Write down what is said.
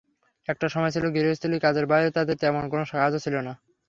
একটা সময় ছিল গৃহস্থালি কাজের বাইরে তাঁদের তেমন কোনো কাজ ছিল না।